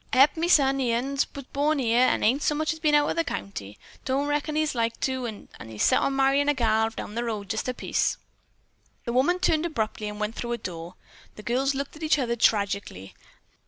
Hep, my son, he uns was born here and ain't so much as been out o' the county. Don't reckon he's like to, as he's set on marryin' a gal down the road a piece." The woman turned abruptly and went through a door. The girls looked at each other tragically.